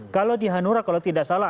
kalau di hanura kalau tidak salah